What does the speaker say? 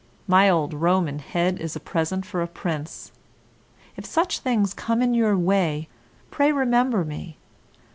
My old Roman head is a present for a prince. If such things come in your way, pray remember me.